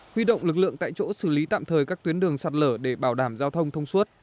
huy động lực lượng tại chỗ xử lý tạm thời các tuyến đường sạt lở để bảo đảm giao thông thông suốt